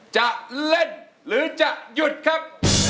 จะเล่นหรือจะหยุดครับ